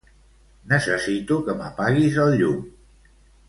Necessito que m'apaguis el llum.